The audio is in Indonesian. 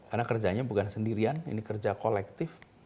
karena kerjanya bukan sendirian ini kerja kolektif